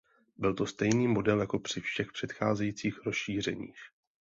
Byl to stejný model jako při všech předcházejících rozšířeních.